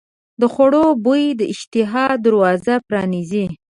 د خوړو بوی د اشتها دروازه پرانیزي.